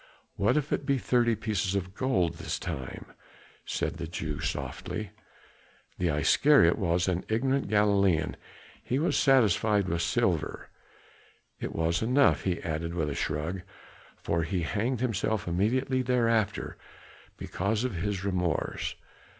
"What if it be thirty pieces of gold this time?" said the Jew softly. "The Iscariot was an ignorant Galilean; he was satisfied with the silver. It was enough," he added with a shrug, "for he hanged himself immediately thereafter because of his remorse.